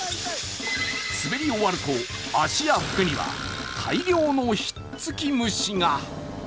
滑り終わると、足や服には大量の引っつき虫が。